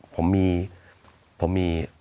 ผมมีผมมี